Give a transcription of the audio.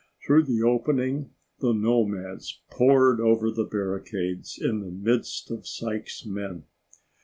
Through the opening, the nomads poured over the barricades in the midst of Sykes' men.